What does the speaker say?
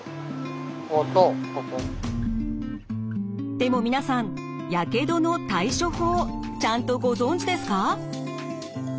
でも皆さんやけどの対処法ちゃんとご存じですか？